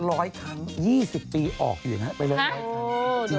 ร้อยครั้ง๒๐ปีออกอยู่อย่างนั้นไปเลยนะครับฮะ